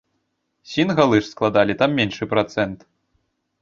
Сінгалы ж складалі там меншы працэнт.